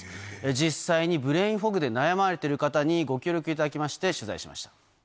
実際にブレインフォグで悩まれている方にご協力いただきまして、取材しました。